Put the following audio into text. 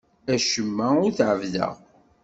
Acemma ur t-ɛebbdeɣ.